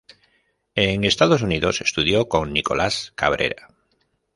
En Estados Unidos estudió con Nicolás Cabrera.